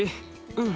うん。